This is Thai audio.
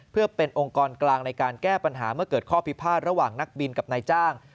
เพื่อเป็นองค์กรกลางในการแก้ปัญหาเมื่อเกิดข้อพิพาทระหว่างนักบินกับนายจ้าง